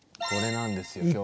それなんですよ